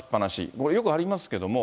これ、よくありますけども。